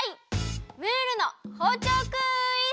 ムールのほうちょうクイズ！